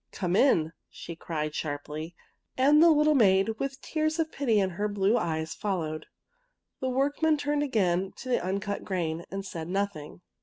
'' Come in! " she cried, sharply, and the little maid, with tears of pity in her blue eyes, followed. The workmen turned again to the uncut grain, and said noth ing.